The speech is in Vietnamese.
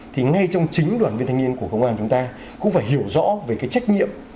thì ngay trong chính đoàn viên thanh niên của công an chúng ta cũng phải hiểu rõ về cái trách nhiệm